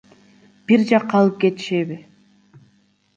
Бир жакка алып кетишеби?